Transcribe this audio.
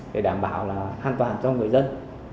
để đảm bảo là an toàn cho người dân